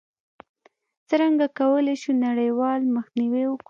څرنګه کولای شو نړیوال مخنیوی وکړو؟